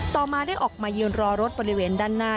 ต่อมาได้ออกมายืนรอรถบริเวณด้านหน้า